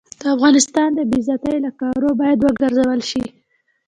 د افغانستان د بې عزتۍ له کارو باید وګرزول شي.